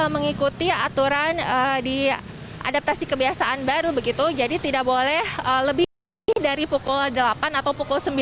mengikuti aturan di adaptasi kebiasaan baru begitu jadi tidak boleh lebih dari pukul delapan atau pukul sembilan